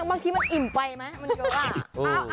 บางทีมันอิ่มไปไหม